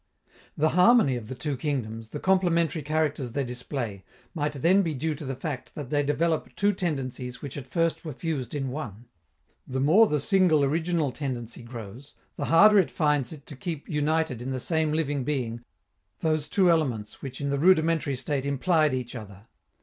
The "harmony" of the two kingdoms, the complementary characters they display, might then be due to the fact that they develop two tendencies which at first were fused in one. The more the single original tendency grows, the harder it finds it to keep united in the same living being those two elements which in the rudimentary state implied each other.